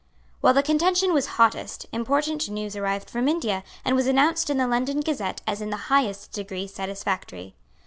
While the contention was hottest, important news arrived from India, and was announced in the London Gazette as in the highest degree satisfactory.